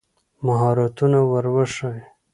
مهارتونه ور وښایي.